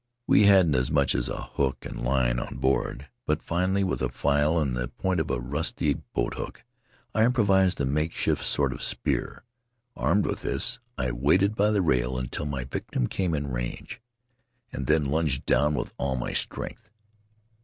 We hadn't as much as a hook and line on board, but finally, with a file and the point of a rusty boat hook, I improvised a makeshift sort of spear. Armed with this, I waited by the rail until my victim came in range, and then lunged down with all my strength.